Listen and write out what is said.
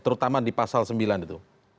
terutama di pasal sembilan itu